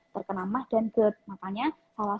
terkena emah dan kebet makanya salah